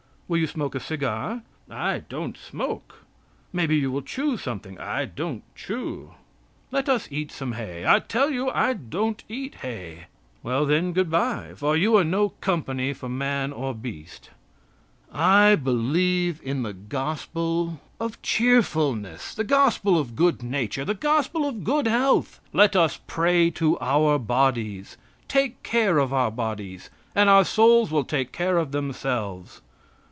"Will you smoke a cigar?" "I don't smoke." "Maybe you will chew something?" "I don't chew." "Let us eat some hay." "I tell you I don't eat hay." "Well, then, good bye; for you are no company for man or beast." I believe in the gospel of cheerfulness, the gospel of good nature, the gospel of good health. Let us pray to our bodies. Take care of our bodies, and our souls will take care of themselves.